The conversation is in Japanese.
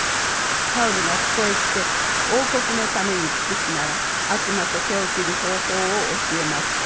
ハウルがここへ来て王国のために尽くすなら悪魔と手を切る方法を教えます。